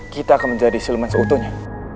kita akan menjadi selemen seutuhnya